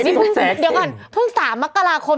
สิ้นแซ่เข้งเดี๋ยวก่อนพึ่ง๓มกราคม